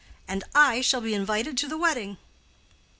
And I shall be invited to the wedding."